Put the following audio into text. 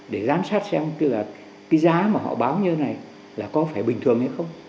để giám sát xem cái giá mà họ báo như thế này là có phải bình thường hay không